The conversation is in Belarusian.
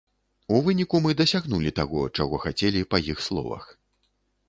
У выніку мы дасягнулі таго, чаго хацелі, па іх словах.